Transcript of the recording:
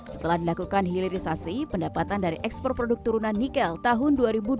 setelah dilakukan hilirisasi pendapatan dari ekspor produk turunan nikel tahun dua ribu dua puluh